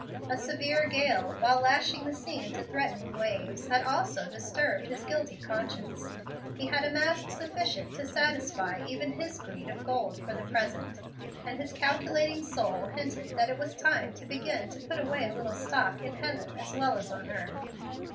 A severe gale, while lashing the sea into threatening waves, had also disturbed his guilty conscience. He had amassed sufficient to satisfy even his greed of gold for the present, and his calculating soul hinted that it was time to begin to put away a little stock in heaven as well as on earth.